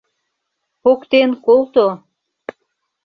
Поктен колто!